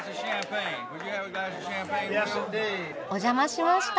お邪魔しました。